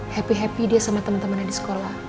happy happy dia sama temen temennya di sekolah